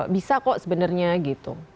bisa kok sebenarnya gitu